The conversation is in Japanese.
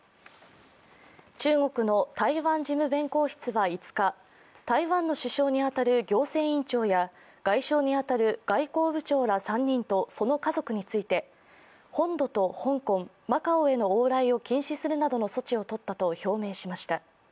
中国の台湾事務弁公室は５日、台湾の首相に当たる行政院長や外相に当たる外交部長ら３人とその家族について本土と香港、マカオへの往来を禁止するなどの措置をとったと表明しました。